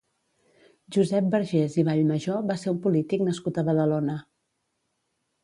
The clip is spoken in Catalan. Josep Vergés i Vallmajor va ser un polític nascut a Badalona.